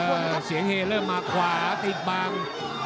ว่าเสียงเฮเริ่มมาขวาติดบัง